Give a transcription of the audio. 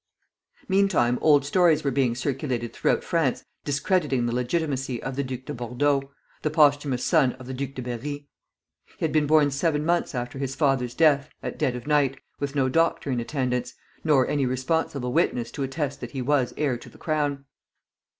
Meantime old stories were being circulated throughout France discrediting the legitimacy of the Duc de Bordeaux, the posthumous son of the Duc de Berri. He had been born seven months after his father's death, at dead of night, with no doctor in attendance, nor any responsible witnesses to attest that he was heir to the crown.